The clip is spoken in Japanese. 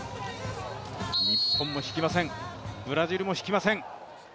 日本も引きません、ブラジルも引きません。